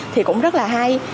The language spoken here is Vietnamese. thì cũng rất là hay